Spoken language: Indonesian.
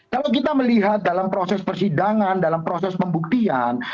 kalau kita melihat dalam proses persidangan dalam proses pembuktian